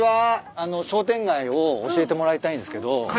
あの商店街を教えてもらいたいんですけど。